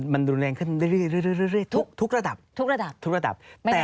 มันรุนแรงขึ้นเร็ดทุกฤดับ